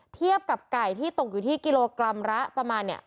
เทียบกับไก่ที่ตกอยู่ที่กิโลกรัมละประมาณเนี่ย